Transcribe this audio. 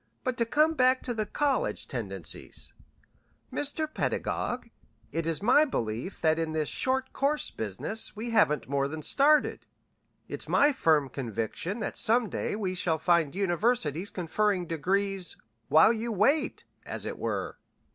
But to come back to the college tendencies, Mr. Pedagog, it is my belief that in this short course business we haven't more than started. It's my firm conviction that some day we shall find universities conferring degrees 'while you wait,' as it were.